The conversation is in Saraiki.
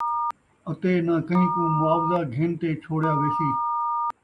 اَتے نہ کہیں کوں معاوضہ گِھن تے چھوڑیا ویسی،